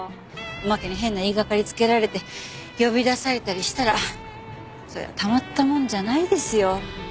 おまけに変な言いがかりつけられて呼び出されたりしたらそりゃあたまったもんじゃないですよ。